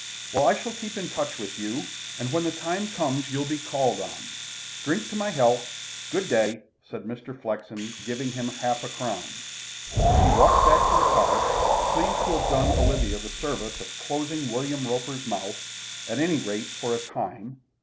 Well, I shall keep in touch with you, and when the time comes you'll be called on. Drink my health. Good day," said Mr. Flexen, giving him half a crown. He walked back to the car, pleased to have done Olivia the service of closing William Roper's mouth, at any rate for a time.